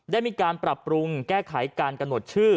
ได้มีการปรับปรุงแก้ไขการกำหนดชื่อ